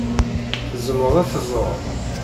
Tzemreḍ ad d-teẓṛeḍ?